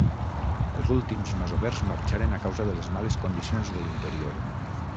Els últims masovers marxaren a causa de les males condicions de l'interior.